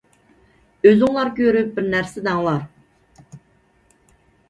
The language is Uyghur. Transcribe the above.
ئۆزۈڭلار كۆرۈپ بىر نەرسە دەڭلار.